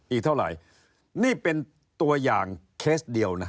อีกเท่าไหร่นี่เป็นตัวอย่างเคสเดียวนะ